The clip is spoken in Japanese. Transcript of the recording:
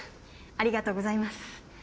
ありがとうございます。